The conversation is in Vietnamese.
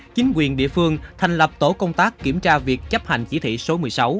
chính quyền địa phương thành lập tổ công tác kiểm tra việc chấp hành chỉ thị số một mươi sáu